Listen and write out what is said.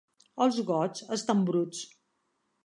Els gots estan bruts.